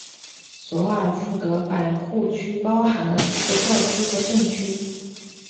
索尔福德百户区包含了几个教区和镇区。